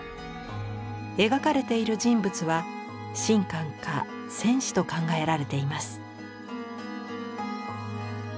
描かれている人物は神官か戦士と考えられています。